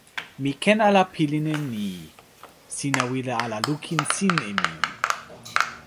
mi ken ala pilin e ni: sina wile ala lukin sin e mi.